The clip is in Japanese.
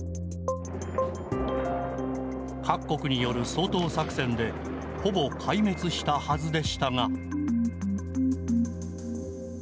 各国による掃討作戦でほぼ壊滅したはずでしたが。